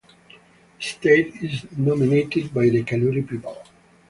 The state is dominated by the Kanuri people.